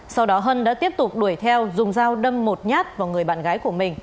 sau đó hân đã tiếp tục đuổi theo dùng dao đâm một nhát vào người bạn gái của mình